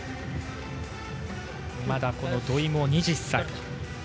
まだ土井も２０歳。